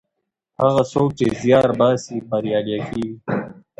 هغه څوک چې زیار باسي بریالی کیږي.